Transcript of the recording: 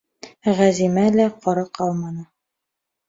Ғәзимә лә ҡоро ҡалманы.